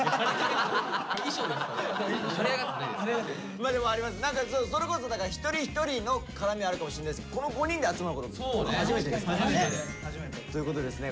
まあでも何かそれこそだから一人一人の絡みあるかもしれないですけどこの５人で集まることって初めてですからね。ということでですね